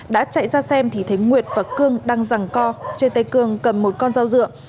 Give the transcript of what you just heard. đã chạy ra xem thì thấy nguyệt và cương đang rằng co trên tay cương cầm một con dao dựa